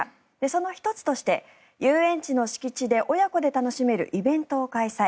その１つとして遊園地の敷地で親子で楽しめるイベントを開催。